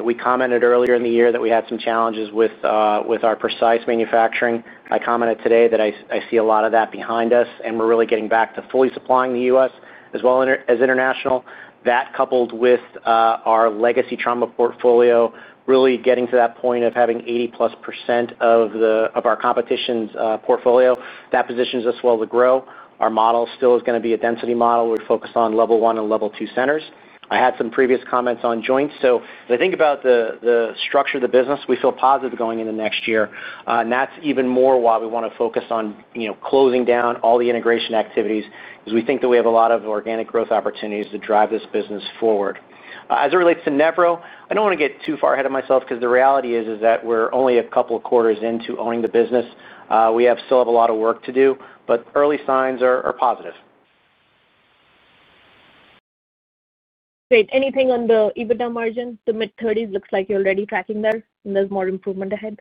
S3: we commented earlier in the year that we had some challenges with our precise manufacturing. I commented today that I see a lot of that behind us, and we're really getting back to fully supplying the U.S. as well as international. That, coupled with our legacy trauma portfolio, really getting to that point of having 80+% of our competition's portfolio, that positions us well to grow. Our model still is going to be a density model. We're focused on level one and level two centers. I had some previous comments on joints. As I think about the structure of the business, we feel positive going into next year. That is even more why we want to focus on closing down all the integration activities because we think that we have a lot of organic growth opportunities to drive this business forward. As it relates to Nevro, I don't want to get too far ahead of myself because the reality is that we're only a couple of quarters into owning the business. We still have a lot of work to do, but early signs are positive.
S8: Great. Anything on the EBITDA margin, the mid-30s looks like you're already tracking there, and there's more improvement ahead?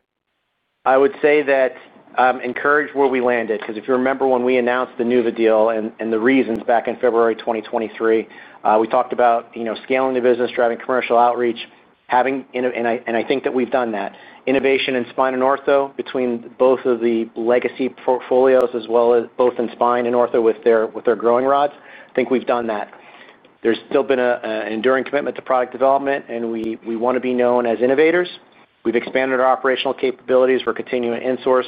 S3: I would say that. Encourage where we landed because if you remember when we announced the NuVasive deal and the reasons back in February 2023, we talked about scaling the business, driving commercial outreach, and I think that we've done that. Innovation in spine and ortho between both of the legacy portfolios as well as both in spine and ortho with their growing rods, I think we've done that. There's still been an enduring commitment to product development, and we want to be known as innovators. We've expanded our operational capabilities. We're continuing to insource.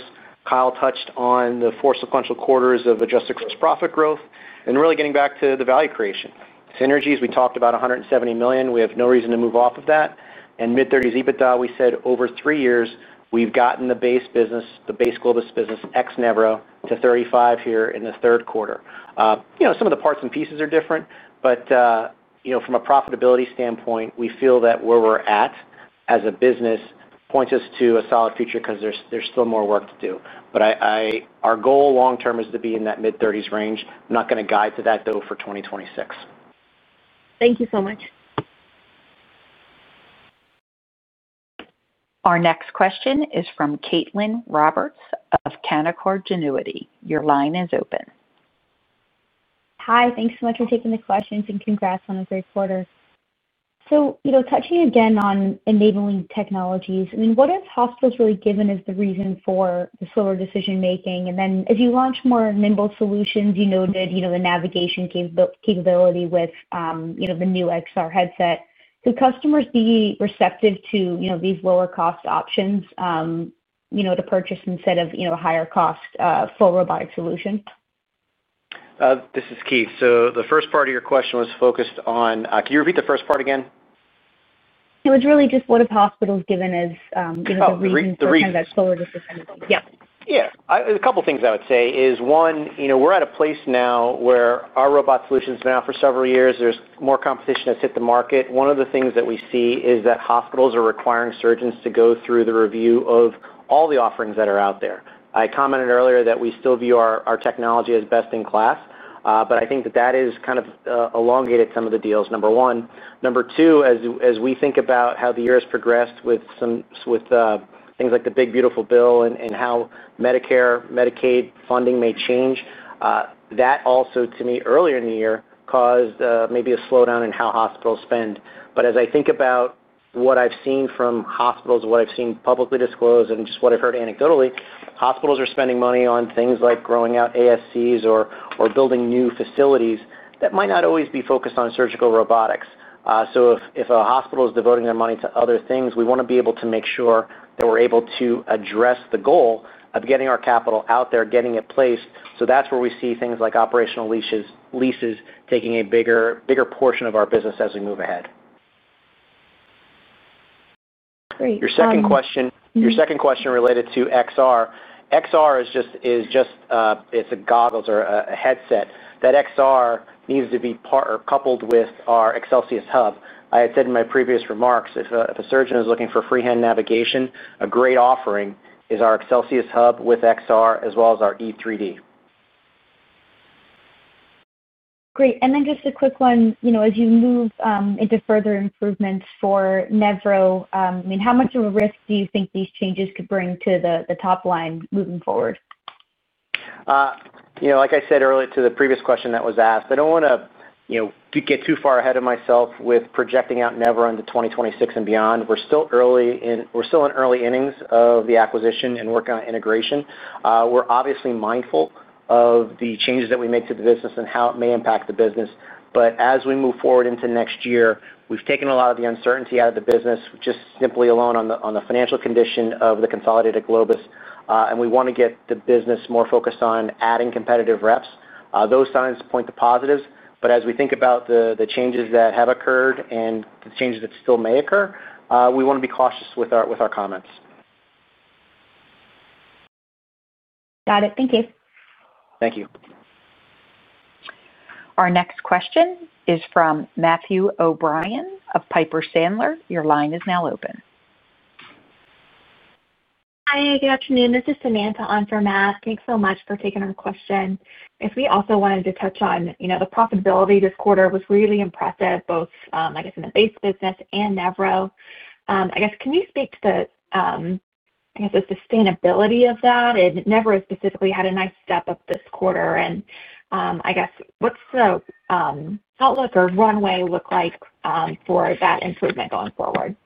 S3: Kyle touched on the four sequential quarters of adjusted gross profit growth and really getting back to the value creation. Synergies, we talked about $170 million. We have no reason to move off of that. Mid-30s EBITDA, we said over three years, we've gotten the base business, the base Globus business ex-Nevro to 35 here in the third quarter. Some of the parts and pieces are different, but from a profitability standpoint, we feel that where we're at as a business points us to a solid future because there's still more work to do. Our goal long-term is to be in that mid-30s range. I'm not going to guide to that, though, for 2026.
S8: Thank you so much.
S1: Our next question is from Kaitlyn Roberts of Canaccord Genuity. Your line is open.
S9: Hi. Thanks so much for taking the questions and congrats on the third quarter. Touching again on enabling technologies, I mean, what has hospitals really given as the reason for the slower decision-making? Then as you launched more nimble solutions, you noted the navigation capability with the new XR headset. Could customers be receptive to these lower-cost options to purchase instead of a higher-cost full robotic solution?
S3: This is Keith. The first part of your question was focused on can you repeat the first part again?
S9: It was really just what have hospitals given as the reason for that slower decision-making?
S3: Yeah. Yeah. A couple of things I would say is, one, we're at a place now where our robot solution's been out for several years. There's more competition that's hit the market. One of the things that we see is that hospitals are requiring surgeons to go through the review of all the offerings that are out there. I commented earlier that we still view our technology as best in class, but I think that that has kind of elongated some of the deals, number one. Number two, as we think about how the year has progressed with things like the big, beautiful bill and how Medicare, Medicaid funding may change, that also, to me, earlier in the year, caused maybe a slowdown in how hospitals spend. As I think about what I've seen from hospitals, what I've seen publicly disclosed, and just what I've heard anecdotally, hospitals are spending money on things like growing out ASCs or building new facilities that might not always be focused on surgical robotics. If a hospital is devoting their money to other things, we want to be able to make sure that we're able to address the goal of getting our capital out there, getting it placed. That's where we see things like operational leases taking a bigger portion of our business as we move ahead.
S9: Great.
S3: Your second question related to XR, XR is just a goggles or a headset. That XR needs to be coupled with our Excelsius Hub. I had said in my previous remarks, if a surgeon is looking for freehand navigation, a great offering is our Excelsius Hub with XR as well as our E3D.
S9: Great. And then just a quick one, as you move into further improvements for Nevro, I mean, how much of a risk do you think these changes could bring to the top line moving forward?
S3: Like I said earlier to the previous question that was asked, I don't want to get too far ahead of myself with projecting out Nevro into 2026 and beyond. We're still in early innings of the acquisition and working on integration. We're obviously mindful of the changes that we make to the business and how it may impact the business. As we move forward into next year, we've taken a lot of the uncertainty out of the business just simply alone on the financial condition of the consolidated Globus. We want to get the business more focused on adding competitive reps. Those signs point to positives. As we think about the changes that have occurred and the changes that still may occur, we want to be cautious with our comments.
S9: Got it. Thank you.
S3: Thank you.
S1: Our next question is from Matthew O'Brien of Piper Sandler. Your line is now open.
S10: Hi. Good afternoon. This is Samantha on for Matt. Thanks so much for taking our question. If we also wanted to touch on the profitability this quarter, it was really impressive, both, I guess, in the base business and Nevro. I guess, can you speak to the, I guess, the sustainability of that? Nevro specifically had a nice step up this quarter. I guess, what's the outlook or runway look like for that improvement going forward?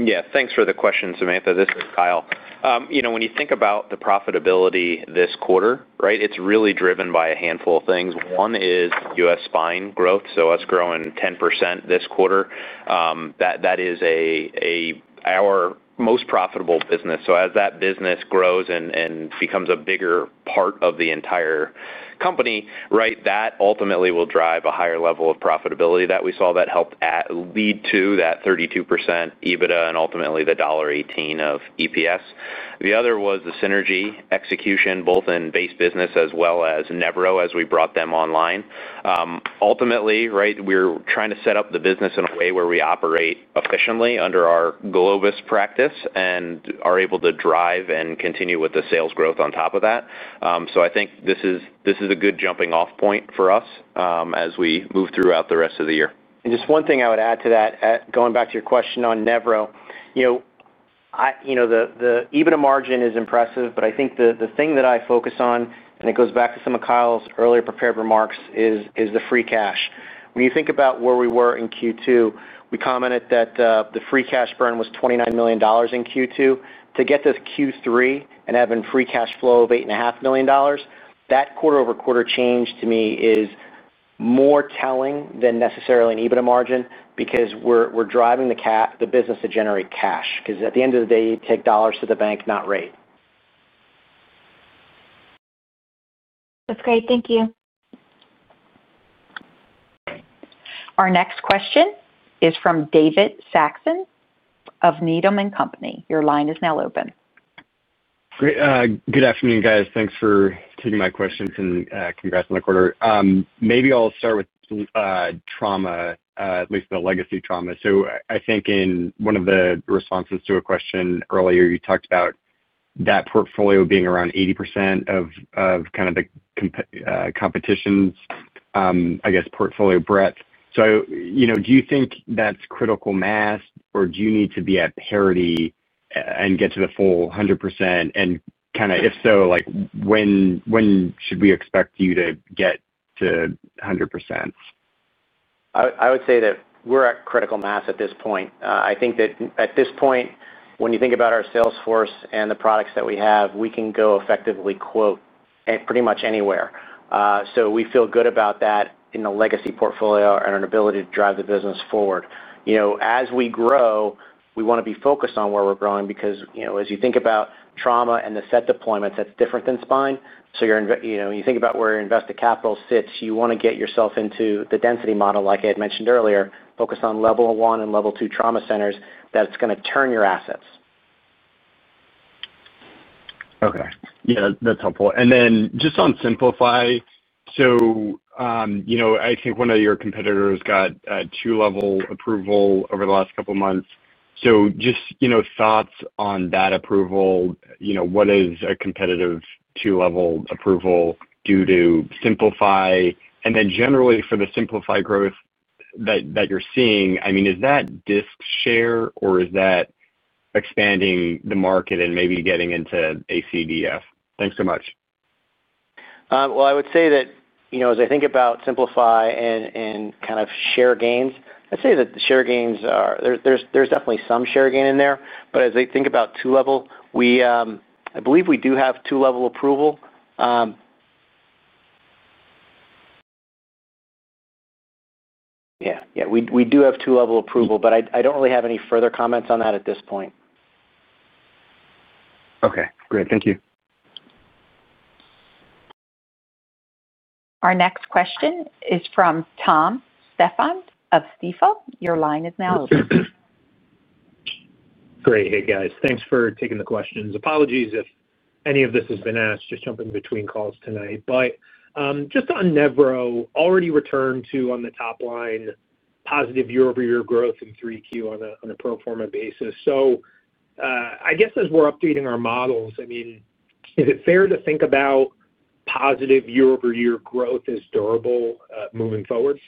S4: Yeah. Thanks for the question, Samantha. This is Kyle. When you think about the profitability this quarter, right, it's really driven by a handful of things. One is U.S. spine growth. So us growing 10% this quarter, that is our most profitable business. As that business grows and becomes a bigger part of the entire company, right, that ultimately will drive a higher level of profitability that we saw that helped lead to that 32% EBITDA and ultimately the $1.18 of EPS. The other was the synergy execution, both in base business as well as Nevro as we brought them online. Ultimately, right, we're trying to set up the business in a way where we operate efficiently under our Globus practice and are able to drive and continue with the sales growth on top of that. I think this is a good jumping-off point for us as we move throughout the rest of the year.
S3: Just one thing I would add to that, going back to your question on Nevro. The EBITDA margin is impressive, but I think the thing that I focus on, and it goes back to some of Kyle's earlier prepared remarks, is the free cash. When you think about where we were in Q2, we commented that the free cash burn was $29 million in Q2. To get to Q3 and have a free cash flow of $8.5 million, that quarter-over-quarter change to me is more telling than necessarily an EBITDA margin because we're driving the business to generate cash because at the end of the day, you take dollars to the bank, not rate.
S10: That's great. Thank you.
S1: Our next question is from David Saxon of Needham & Company. Your line is now open.
S11: Good afternoon, guys. Thanks for taking my questions and congrats on the quarter. Maybe I'll start with trauma, at least the legacy trauma. I think in one of the responses to a question earlier, you talked about that portfolio being around 80% of kind of the competition's, I guess, portfolio breadth. Do you think that's critical mass, or do you need to be at parity and get to the full 100%? If so, when should we expect you to get to 100%?
S3: I would say that we're at critical mass at this point. I think that at this point, when you think about our sales force and the products that we have, we can go effectively pretty much anywhere. We feel good about that in the legacy portfolio and our ability to drive the business forward. As we grow, we want to be focused on where we're growing because as you think about trauma and the set deployments, that's different than spine. When you think about where your invested capital sits, you want to get yourself into the density model, like I had mentioned earlier, focused on level one and level two trauma centers that are going to turn your assets.
S11: Okay. Yeah, that's helpful. And then just on SimpliiFy, so I think one of your competitors got two-level approval over the last couple of months. Just thoughts on that approval, what does a competitive two-level approval do to SimpliiFy? And then generally for the SimpliiFy growth that you're seeing, I mean, is that disk share, or is that expanding the market and maybe getting into ACDF? Thanks so much.
S3: I would say that as I think about SimpliiFy and kind of share gains, I'd say that the share gains are there's definitely some share gain in there. As I think about two-level, I believe we do have two-level approval. Yeah. Yeah. We do have two-level approval, but I don't really have any further comments on that at this point.
S11: Okay. Great. Thank you.
S1: Our next question is from Tom Stefan of Cowen. Your line is now open.
S12: Great. Hey, guys. Thanks for taking the questions. Apologies if any of this has been asked, just jumping between calls tonight. Just on Nevro, already returned to on the top line, positive year-over-year growth in 3Q on a pro forma basis. I guess as we're updating our models, I mean, is it fair to think about positive year-over-year growth as durable moving forward?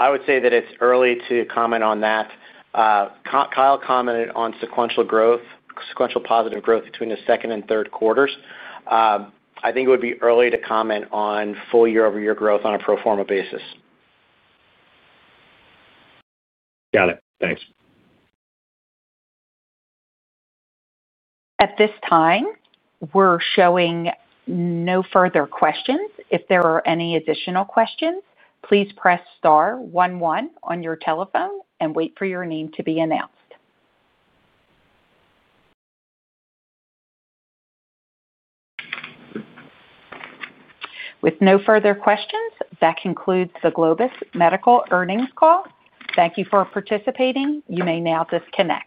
S3: I would say that it's early to comment on that. Kyle commented on sequential growth, sequential positive growth between the second and third quarters. I think it would be early to comment on full year-over-year growth on a pro forma basis. Got it. Thanks.
S1: At this time, we're showing no further questions. If there are any additional questions, please press star 11 on your telephone and wait for your name to be announced. With no further questions, that concludes the Globus Medical earnings call. Thank you for participating. You may now disconnect.